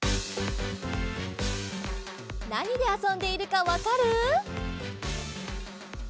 なにであそんでいるかわかる？